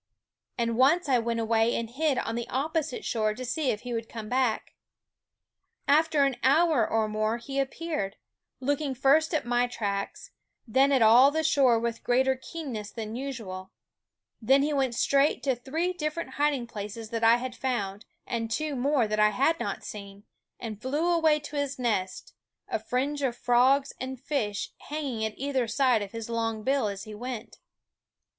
And once I went away and hid on the opposite shore to see if he would come back. After an hour or more he appeared, looking first at my tracks, then at all the shore with greater keenness than usual; then he went straight to three different hiding places that I had found, and two more that I had not seen, and flew away to his nest, a fringe of frogs and fish hanging at either side of his long bill as he went.